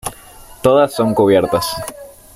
Todas son cubiertas.